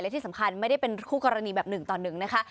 และที่สำคัญไม่ได้เป็นคู่กรณีแบบหนึ่งต่อหนึ่งนะคะ